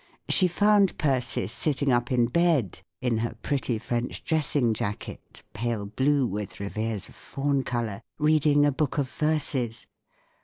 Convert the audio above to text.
She found Persis sitting up in bed, in her pretty French dressing jacket (pale blue with revers of fawn colour), reading a book of verses.